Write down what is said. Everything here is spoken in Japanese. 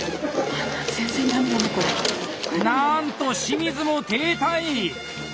なんと清水も停滞！